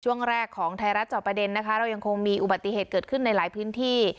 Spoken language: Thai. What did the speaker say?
ช่วงแรกของไทยรัฐจอบประเด็นนะคะเรายังคงมีอุบัติเหตุเกิดขึ้นในหลายพื้นที่